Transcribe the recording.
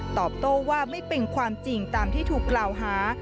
ตอบโต้ว่าไม่เป็นความจริงตามที่ถูกกล่าวหา